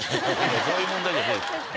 そういう問題じゃない。